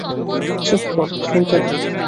চুপ কর, শুনতে দে।